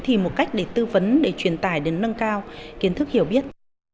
thì một cách để tư vấn để truyền tải đến nâng cao kiến thức hiểu biết